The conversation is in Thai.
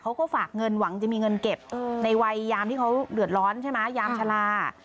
เขาก็ฝากเงินหวังจะมีเงินเก็บในวัยยามที่เขาเดือดร้อนใช่ไหมยามชาลา